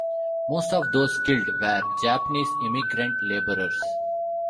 Most of those killed were Japanese immigrant laborers.